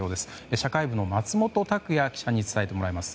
社会部の松本拓也記者に伝えてもらいます。